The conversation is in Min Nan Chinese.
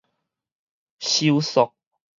收束